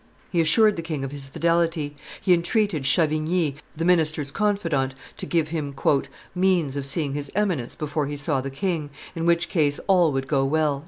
He assured the king of his fidelity; he entreated Chavigny, the minister's confidant, to give him "means of seeing his Eminence before he saw the king, in which case all would go well."